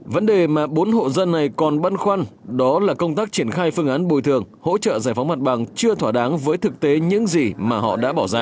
vấn đề mà bốn hộ dân này còn băn khoăn đó là công tác triển khai phương án bồi thường hỗ trợ giải phóng mặt bằng chưa thỏa đáng với thực tế những gì mà họ đã bỏ ra